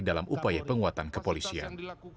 dalam upaya penguatan kepolisian